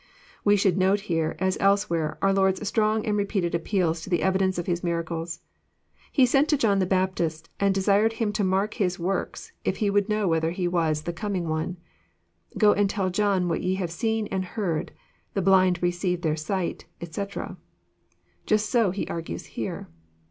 We should note here, as elsewhere, our Lord's strong and repeated appeals to the evidence of His miracles. He sent to John the Baptist, and desired him to mark His works, if He would know whether He was " the coming One," —" Go and tell John what ye have seen and heard, the blind receive their sight," etc. Just so He argues here.